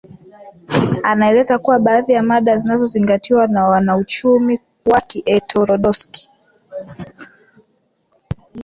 Anaeleza kuwa baadhi ya mada zinazozingatiwa na wanauchumi wa kiheterodoksi